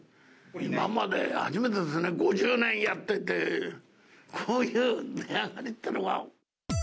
今までで初めてですね、５０年やってて、こういう値上がりっていうのは。